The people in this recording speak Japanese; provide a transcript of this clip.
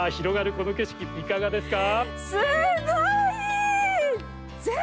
この景色いかがですか？